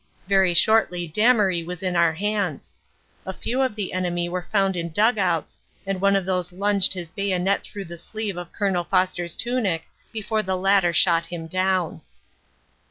Very shortly Damery was in our hands. A few of the enemy were found in dug outs and one of these lunged his bayonet through the sleeve of Col. Foster s tunic before the latter shot him down.